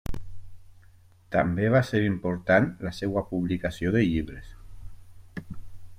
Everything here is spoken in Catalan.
També va ser important la seva publicació de llibres.